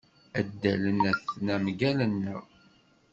Adalen aten-a mgal-nneɣ.